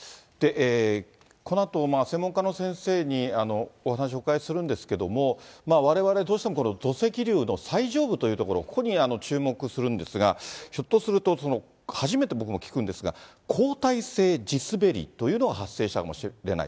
このあと、専門家の先生にお話をお伺いするんですけども、われわれ、どうしても、これ、土石流の最上部という所、ここに注目するんですが、ひょっとすると、初めて僕も聞くんですが、交代制地滑りというのが発生したかもしれない。